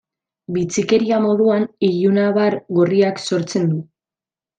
Bitxikeria moduan, ilunabar gorriak sortzen du.